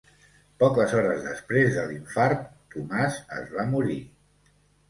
Poques hores després de l'infart Tomàs es va morir.